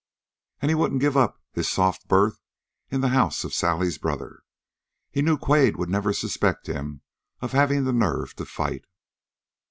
And he wouldn't give up his soft berth in the house of Sally's brother. He knew Quade would never suspect him of having the nerve to fight.